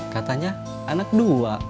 katanya anak dua